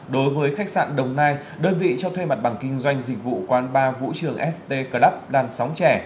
đối với khách sạn đồng nai đơn vị cho thuê mặt bằng kinh doanh dịch vụ quán bar vũ trường st club đan sóng trẻ